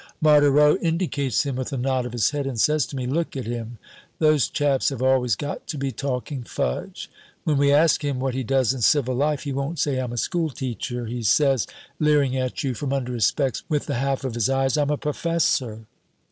Marthereau indicates him with a nod of his head, and says to me, "Look at him. Those chaps have always got to be talking fudge. When we ask him what he does in civil life, he won't say 'I'm a school teacher' he says, leering at you from under his specs with the half of his eyes, 'I'm a professor.'